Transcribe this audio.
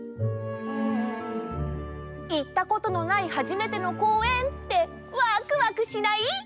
うん。いったことのない初めてのこうえんってわくわくしない？